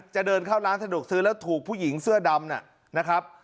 จะเดินเข้าร้านสะดวกซื้อแล้วถูกผู้หญิงเสื้อดำนะครับ